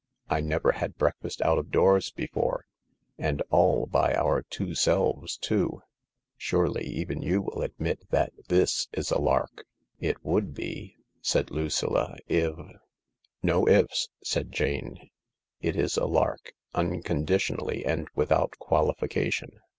" I never had breakfast out of doors before — and all by our two selves, too. ... Surely even you will admit that this is a lark ?" "It would be," said Lucilla, "if " THE LARK 87 " No ife," said Jane. " It is a lark, unconditionally and without qualification.